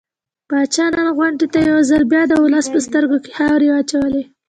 پاچا نن غونډې ته يو ځل بيا د ولس په سترګو کې خاورې واچولې.